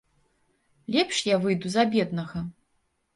Лепш я выйду за беднага.